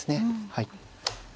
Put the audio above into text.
はい。